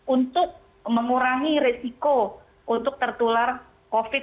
untuk mengurangi resiko untuk tertular covid